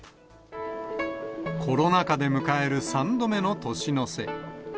コロナ禍で迎える３度目の年の瀬。